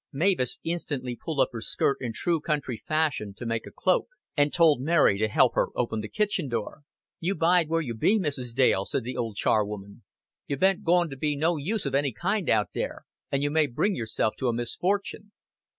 Mavis instantly pulled up her skirt in true country fashion to make a cloak, and told Mary to help her open the kitchen door. "You bide where you be, Mrs. Dale," said the old charwoman. "You ben't goin' to be no use of any kind out there, and you may bring yourself to a misfortune."